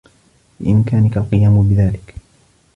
بإمكانه القيام بذلك.